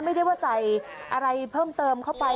ไม่ได้ว่าใส่อะไรเพิ่มเติมเข้าไป